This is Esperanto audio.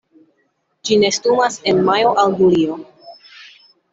Ĝi nestumas en majo al julio.